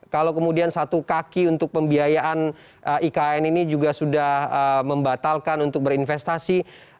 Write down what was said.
kalau kemudian satu kaki untuk pembiayaan ikn ini juga sudah membatalkan untuk berinvestasi